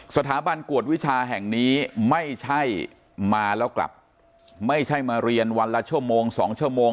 สถาบันกวดวิชาแห่งนี้ไม่ใช่มาแล้วกลับไม่ใช่มาเรียนวันละชั่วโมง๒ชั่วโมง